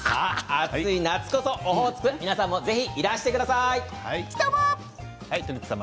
暑い夏こそオホーツクぜひいらしてください。